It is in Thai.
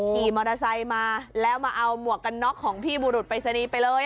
ขี่มอเตอร์ไซค์มาแล้วมาเอาหมวกกันน็อกของพี่บุรุษปริศนีย์ไปเลย